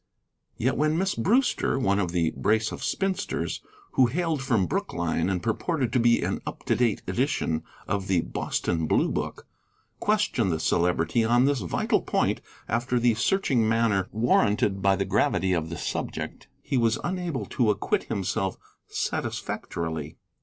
Yet when Miss Brewster, one of the brace of spinsters, who hailed from Brookline and purported to be an up to date edition of the Boston Blue Book, questioned the Celebrity on this vital point after the searching manner warranted by the gravity of the subject, he was unable to acquit himself satisfactorily.